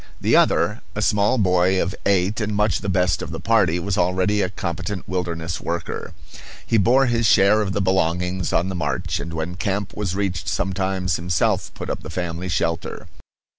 The other, a small boy of eight, and much the best of the party, was already a competent wilderness worker. He bore his share of the belongings on the march, and when camp was reached sometimes himself put up the family shelter.